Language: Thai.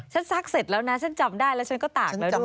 ซักเสร็จแล้วนะฉันจำได้แล้วฉันก็ตากแล้วด้วย